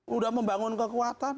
udah membangun kekuatan